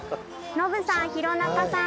ノブさん弘中さん。